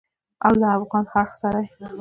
او له افغان اړخ سره یې